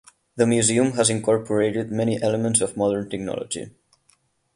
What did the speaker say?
The museum has incorporated many elements of modern technology.